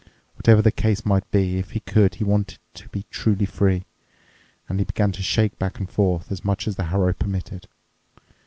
Whatever the case might be, if he could he wanted to be truly free, and he began to shake back and forth, as much as the harrow permitted.